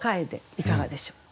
いかがでしょう？